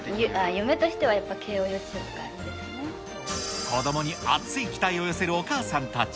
夢としてはやっぱ慶應幼稚舎子どもに熱い期待を寄せるお母さんたち。